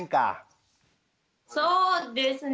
そうですね。